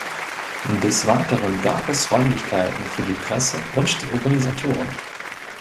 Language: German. Des Weiteren gab es Räumlichkeiten für die Presse und die Organisatoren.